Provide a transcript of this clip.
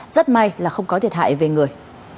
rất may là không có thiệt hại về người